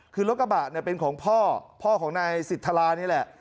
มีรุกบะเป็นของพ่อพ่อของนายสิริทธาระนี่แหละ